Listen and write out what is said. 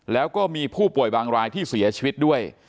แล้วก็มีผู้ป่วยบางรายที่เสียชีวิตด้วย